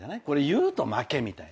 言うと負けみたいな。